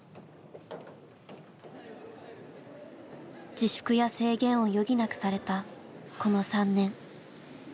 自粛や制限を余儀なくされたこの３年。